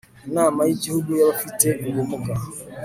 inama y'igihugu y'abafite ubumuga